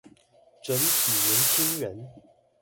整體年輕人